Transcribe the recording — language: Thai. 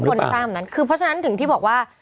ไม่ใช่ทุกคนสร้างแบบนั้นคือเพราะฉะนั้นถึงที่บอกว่า